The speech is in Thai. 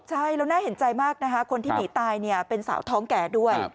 ใช่แล้วแน่เห็นใจมากคนที่หนีตายเป็นสาวท้องแก่ด้วย